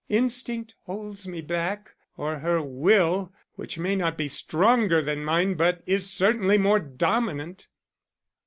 Instinct holds me back, or her will, which may not be stronger than mine but is certainly more dominant."